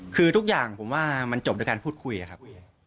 คือทุกอย่างผมว่ามันจบด้วยการพูดคุยครับ